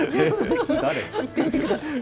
行ってみてください。